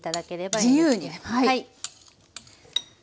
はい。